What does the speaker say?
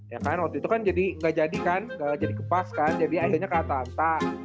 ya kan waktu itu kan jadi ga jadi kan ga jadi ke pas kan jadi akhirnya kata anta